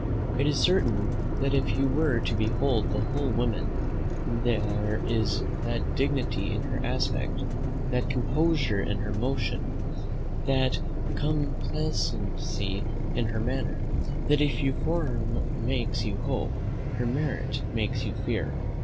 It is certain that if you were to behold the whole woman, there is that dignity in her aspect, that composure in her motion, that complacency in her manner, that if her form makes you hope, her merit makes you fear.